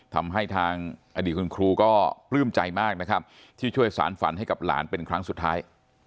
ทำให้ทางอดีตคุณครูก็ปลื้มใจมากนะครับที่ช่วยสารฝันให้กับหลานเป็นครั้งสุดท้าย